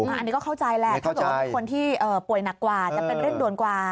อันนี้ก็เข้าใจแหละถ้าเกิดว่ามีคนที่ป่วยหนักกว่าจะเป็นเร่งด่วนกว่า